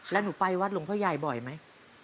แล้วหนูไปวัดหลวงพ่อใหญ่บ่อยไหม